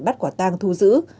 bắt quả tang thu giữ